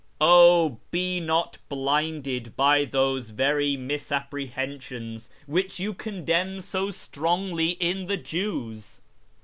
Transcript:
0 be not blinded by those very misapprehensions which you condemn so strongly I in the Jews